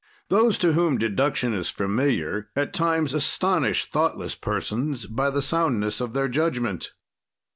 "Those to whom deduction is familiar, at times astonish thoughtless persons by the soundness of their judgment.